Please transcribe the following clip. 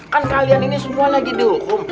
kan kalian ini semua lagi dihukum